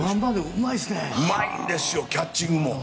うまいですよ、キャッチングも。